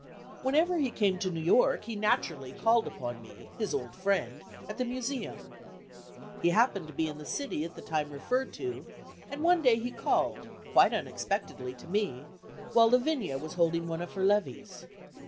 Whenever he came to New York he naturally called upon me, his old friend, at the Museum. He happened to be in the city at the time referred to, and one day he called, quite unexpectedly to me, while Lavinia was holding one of her levees.